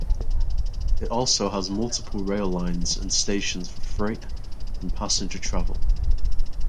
It also has multiple rail lines and stations for freight and passenger travel.